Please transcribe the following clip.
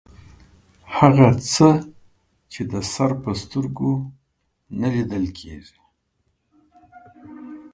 هغه څه چې د سر په سترګو نه لیدل کیږي